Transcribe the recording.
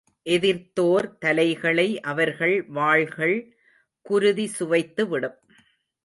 எதிர்த்தோர் தலைகளை அவர்கள் வாள்கள் குருதி சுவைத்து விடும்.